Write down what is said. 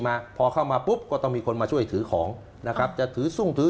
มาพอเข้ามาปุ๊บก็ต้องมีคนมาช่วยถือของนะครับจะถือซุ่งถือ